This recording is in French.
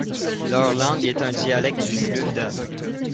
Leur langue est un dialecte du lunda.